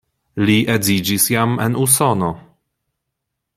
Li edziĝis jam en Usono.